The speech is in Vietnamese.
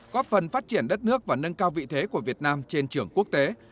góp phần phát triển đất nước và nâng cao vị thế của việt nam trên trường quốc tế